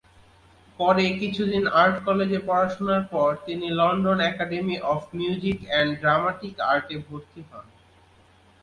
পরে কিছুদিন আর্ট কলেজে পড়াশুনার পর তিনি London academy of music and dramatic আর্টে ভর্তি হন।